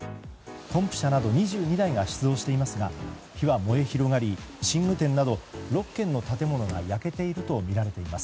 ポンプ車など２２台が出動していますが火は燃え広がり、寝具店など６軒の建物が焼けているとみられます。